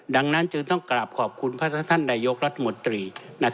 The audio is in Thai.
ดังนั้นจึงต้องกราบขอบคุณพระท่านนายกรัฐมนตรี